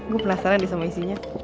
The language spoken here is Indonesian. gue penasaran deh sama isinya